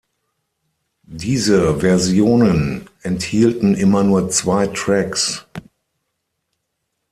Diese Versionen enthielten immer nur zwei Tracks.